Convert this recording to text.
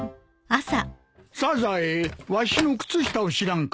サザエわしの靴下を知らんか？